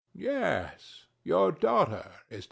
Yes: your daughter is dead.